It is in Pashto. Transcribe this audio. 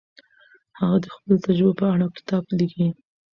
هغه د خپلو تجربو په اړه کتاب لیکلی.